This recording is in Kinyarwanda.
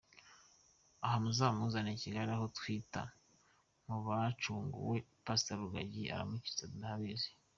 ahaa mumuzane Kgl aho twita mubacunguwe Pasita Rugagi aramukiza ndabizi.